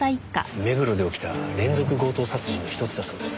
目黒で起きた連続強盗殺人の１つだそうです。